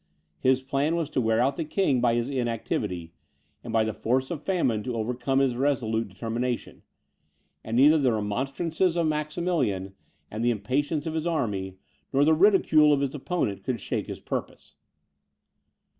His plan was to wear out the king by his inactivity, and by the force of famine to overcome his resolute determination; and neither the remonstrances of Maximilian, and the impatience of his army, nor the ridicule of his opponent, could shake his purpose.